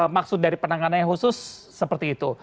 maksud dari penanganan yang khusus seperti itu